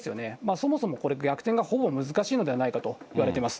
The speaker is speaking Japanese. そもそもこれ、逆転がほぼ難しいのではないかといわれています。